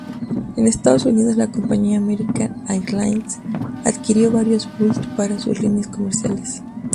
En Estados Unidos la compañía "American Airlines" adquirió varios Vultee para sus líneas comerciales.